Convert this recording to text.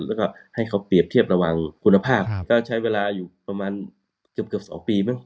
แล้วก็ให้เขาเปรียบเทียบระหว่างคุณภาพก็ใช้เวลาอยู่ประมาณเกือบ๒ปีมั้ง